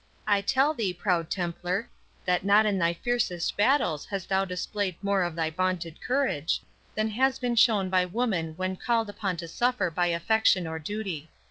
I tell thee, proud Templar, that not in thy fiercest battles hast thou displayed more of thy vaunted courage, than has been shown by woman when called upon to suffer by affection or duty.